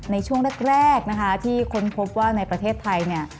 ในช่วงแรกนะคะที่ค้นพบว่าในประเทศไทยเนี่ย